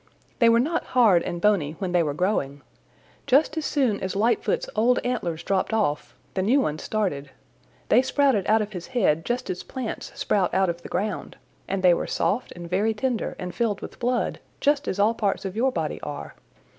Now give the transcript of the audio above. "They were not hard and bony when they were growing. Just as soon as Lightfoot's old antlers dropped off, the new ones started. They sprouted out of his head just as plants sprout out of the ground, and they were soft and very tender and filled with blood, just as all parts of your body are.